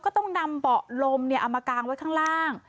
ก็ต้องนำเบาะลมเอามากางไว้ข้างล่าง